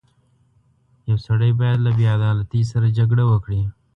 • یو سړی باید له بېعدالتۍ سره جګړه وکړي.